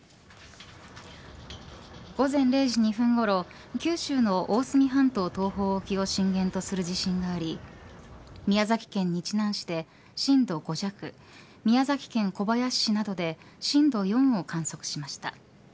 午前０時２分ごろ九州の大隅半島東方沖を震源とする地震があり宮崎県日南市で震度５弱宮崎県小林市などで震度４を観測しました。